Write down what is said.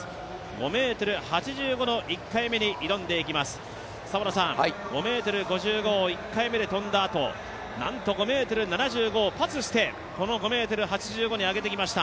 ５ｍ５５を１回目で跳んだあと、１回目で跳んだあと、なんと５ｍ７５をパスして、この５ｍ８５に上げてきました。